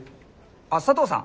あっ佐藤さん？